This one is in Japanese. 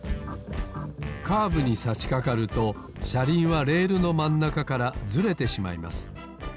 カーブにさしかかるとしゃりんはレールのまんなかからずれてしまいます。